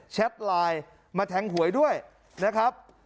แท็ตไลน์มาแทงหวยด้วยนะครับ